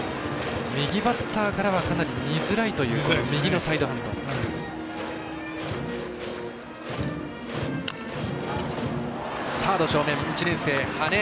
右バッターからはかなり見づらいという右のサイドハンド。